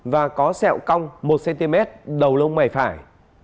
và có sẹo cong một cm đầu lông mày phải